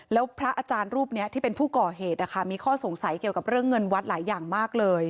แล้วพระอาจารย์รูปนี้ที่เป็นผู้ก่อเหตุมีข้อสงสัยเกี่ยวกับเรื่องเงินวัดหลายอย่างมากเลย